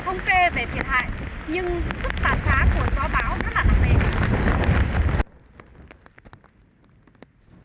thống kê về thiệt hại nhưng sức tàn phá của gió báo rất nặng nề